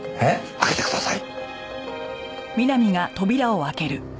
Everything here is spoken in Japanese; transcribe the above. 開けてください。